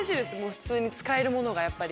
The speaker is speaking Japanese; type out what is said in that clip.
普通に使えるものがやっぱり。